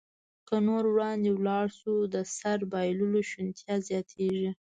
که نور وړاندې ولاړ شو، د سر بایللو شونتیا زیاتېږي.